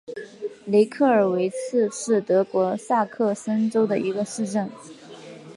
雷克尔维茨是德国萨克森州的一个市镇。